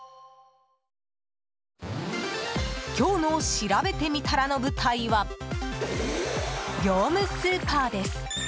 今日のしらべてみたらの舞台は業務スーパーです。